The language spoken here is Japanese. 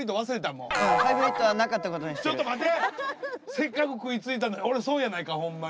せっかく食いついたのに俺損やないかホンマに。